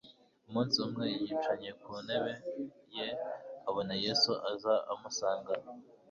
Umunsi umwe yiyicanye ku ntebe ye, abona Yesu aza amusanga,